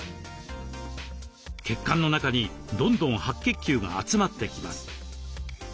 血管の中にどんどん白血球が集まってきます。